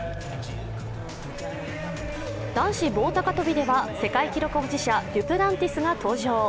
男子棒高跳びでは、世界記録保持者・デュプランティスが登場。